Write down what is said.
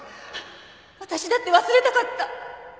わたしだって忘れたかった。